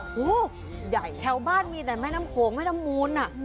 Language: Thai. โอ้โหใหญ่แถวบ้านมีแต่แม่น้ำโขงแม่น้ำมูล